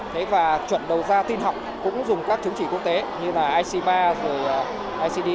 thế và chuẩn đầu ra tin học cũng dùng các chứng chỉ quốc tế như là ic ba rồi icd